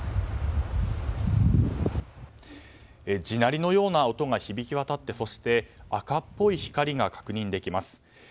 地鳴りのような音が響き渡ってそして、赤っぽい光が確認できます。